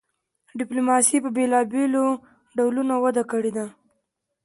ډیپلوماسي په بیلابیلو ډولونو وده کړې ده